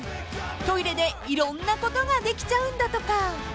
［トイレでいろんなことができちゃうんだとか］